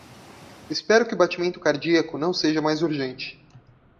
Espero que o batimento cardíaco não seja mais urgente.